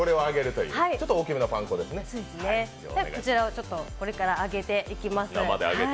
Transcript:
こちらを今から揚げていきます。